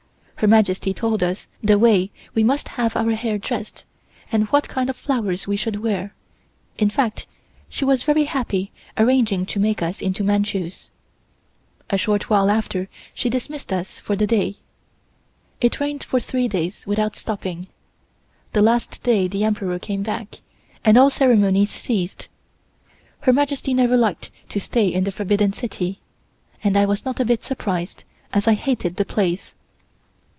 Her Majesty told us the way we must have our hair dressed, and what kind of flowers we should wear, in fact she was very happy arranging to make us into Manchus. A short while after she dismissed us for the day. It rained for three days without stopping. The last day the Emperor came back, and all ceremonies ceased. Her Majesty never liked to stay in the Forbidden City, and I was not a bit surprised, as I hated the place.